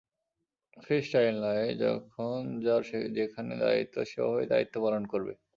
Free style নয়, যখন যার যেখানে দায়িত্ব সেভাবেই দায়িত্ব পালন করবে।